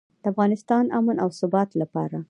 د افغانستان امن او ثبات لپاره.